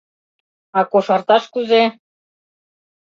А кошарташ кузе?